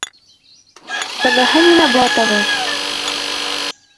— Быныһы нимә була тағы?